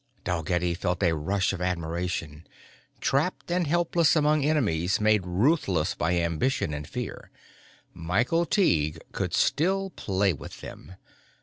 Dalgetty felt a rush of admiration. Trapped and helpless among enemies made ruthless by ambition and fear, Michael Tighe could still play with them.